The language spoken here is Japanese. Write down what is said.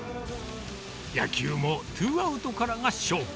野球もツーアウトからが勝負。